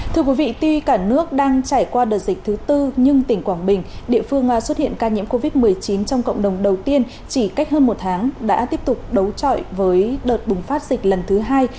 thưa quý vị tuy cả nước đang trải qua đợt dịch thứ tư nhưng tỉnh quảng bình địa phương xuất hiện ca nhiễm covid một mươi chín trong cộng đồng đầu tiên chỉ cách hơn một tháng đã tiếp tục đấu trọi với đợt bùng phát dịch lần thứ hai